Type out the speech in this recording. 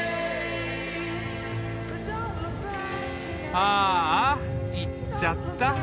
ああ行っちゃった。